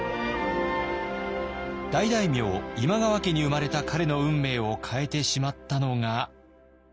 大大名今川家に生まれた彼の運命を変えてしまったのが。